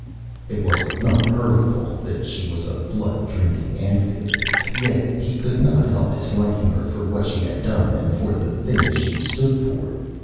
It was not her fault that she was a blood drinking Amphib. Yet he could not help disliking her for what she had done and for the things she stood for.